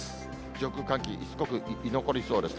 上空寒気、しつこく居残りそうです。